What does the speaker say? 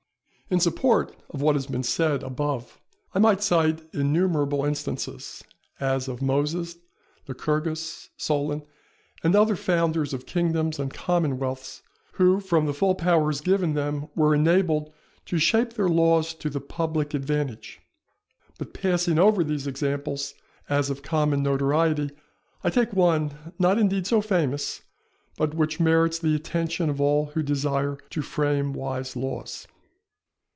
In support of what has been said above, I might cite innumerable instances, as of Moses, Lycurgus, Solon, and other founders of kingdoms and commonwealths, who, from the full powers given them, were enabled to shape their laws to the public advantage; but passing over these examples, as of common notoriety, I take one, not indeed so famous, but which merits the attention of all who desire to frame wise laws.